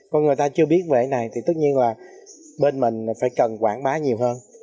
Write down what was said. còn người ta chưa biết về cái này thì tất nhiên là bên mình phải cần quảng bá nhiều hơn